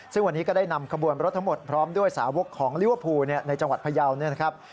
ซึ่งวันนี้ก็ได้นำขบวนรถทั้งหมดพร้อมด้วยสาวกของลิเวอร์พูลในจังหวัดพยาวเนี่ยนะครับ